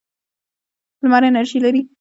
لمر انرژي لري.